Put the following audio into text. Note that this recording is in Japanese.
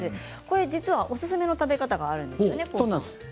これ、実はおすすめの食べ方があるんですね？